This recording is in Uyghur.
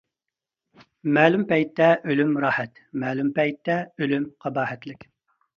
مەلۇم پەيتتە ئۆلۈم راھەت، مەلۇم پەيتتە ئۆلۈم قاباھەتلىك.